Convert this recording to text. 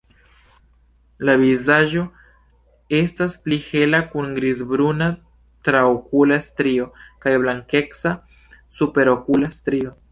La vizaĝo estas pli hela kun grizbruna traokula strio kaj blankeca superokula strio.